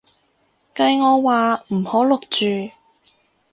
計我話唔好錄住